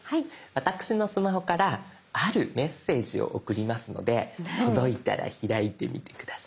私のスマホからあるメッセージを送りますので届いたら開いてみて下さい。